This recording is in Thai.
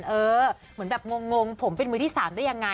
เหมือนแบบงงผมเป็นมือที่๓ได้ยังไง